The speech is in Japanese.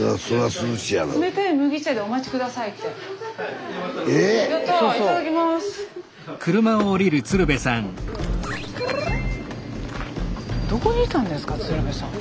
スタジオどこにいたんですか鶴瓶さんは。